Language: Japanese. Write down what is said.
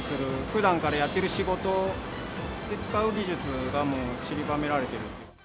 ふだんからやってる仕事で使う技術がもうちりばめられてる。